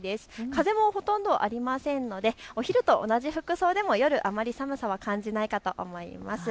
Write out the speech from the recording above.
風もほとんどありませんのでお昼と同じ服装でもあまり寒さを感じないかと思います。